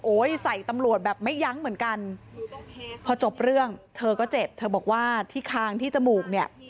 ใส่ตำรวจแบบไม่ยั้งเหมือนกันพอจบเรื่องเธอก็เจ็บเธอบอกว่าที่คางที่จมูกเนี่ย